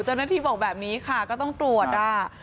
จุดนักทีบอกแบบนี้ค่ะก็ต้องตรวจ